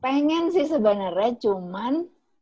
pengen sih sebenernya cuman